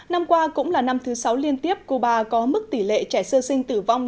năm qua cũng là năm thứ sáu liên tiếp cuba có mức tỷ lệ trẻ sơ sinh tử vong